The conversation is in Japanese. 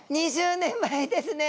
２０年前ですね。